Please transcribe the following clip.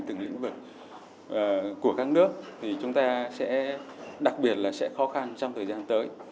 từng lĩnh vực của các nước thì chúng ta sẽ đặc biệt là sẽ khó khăn trong thời gian tới